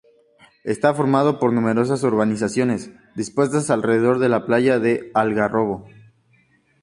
Está formado por numerosas urbanizaciones dispuestas alrededor de la playa de Algarrobo.